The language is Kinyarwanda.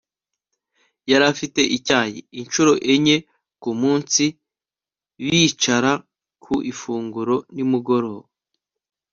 yari afite icyayi; inshuro enye kumunsi bicara ku ifunguro; nimugoroba